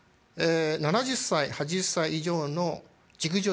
７０歳８０歳以上の熟女